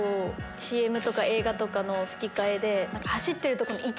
ＣＭとか映画とかの吹き替えで。